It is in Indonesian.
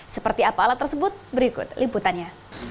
seperti apa alat tersebut berikut liputannya